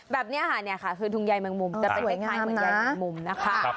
แบบนี้คือถุงใยแมงมุมสวยงามนะ